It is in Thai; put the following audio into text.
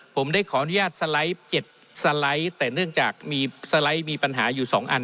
ผมได้ขออนุญาตสไลด์๗สไลด์แต่เนื่องจากมีสไลด์มีปัญหาอยู่๒อัน